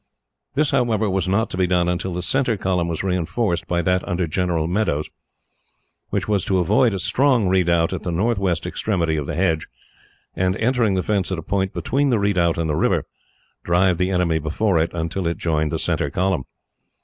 This, however, was not to be done until the centre column was reinforced by that under General Meadows, which was to avoid a strong redoubt at the northwest extremity of the hedge, and, entering the fence at a point between the redoubt and the river, drive the enemy before it, until it joined the centre column.